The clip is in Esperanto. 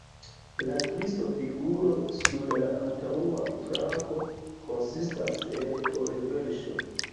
La Kristo-figuro sur la antaŭa flanko konsistas el or-verŝo.